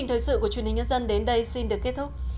thời sự của truyền hình nhân dân đến đây xin được kết thúc